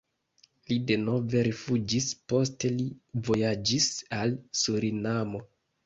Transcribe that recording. Li denove rifuĝis, poste li vojaĝis al Surinamo.